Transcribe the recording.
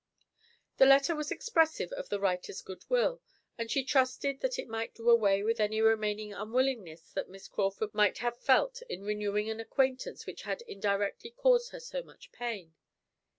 The letter was expressive of the writer's goodwill, and she trusted that it might do away with any remaining unwillingness that Miss Crawford might have felt in renewing an acquaintance which had indirectly caused her so much pain.